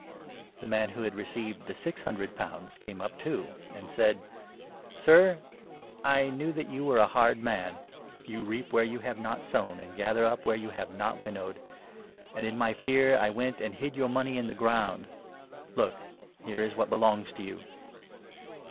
' The man who had received the six hundred pounds came up, 24 too, and said ' Sir, I knew that you were a hard man ; you reap where you have not sown, and gather up where you have not winnowed ; and, in my fear, I went and hid your money in 25 the ground ; look, here is what belongs to you